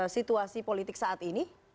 situasi politik saat ini